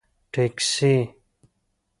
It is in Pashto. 🚖 ټکسي